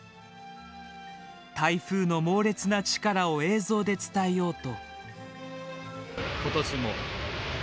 台風の猛烈な力を映像で伝えようと。